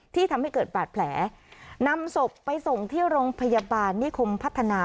ทำให้เกิดบาดแผลนำศพไปส่งที่โรงพยาบาลนิคมพัฒนา